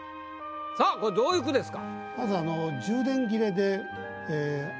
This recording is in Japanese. さぁこれどういう句ですか？